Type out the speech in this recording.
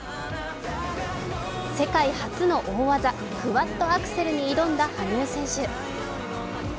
世界初の大技、クワッドアクセルに挑んだ羽生選手。